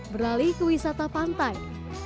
berlali ke wisata pantai